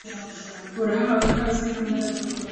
Urahawe ikaze hano.